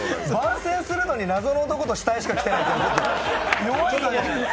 番宣するのに謎の男と死体しか来ていない。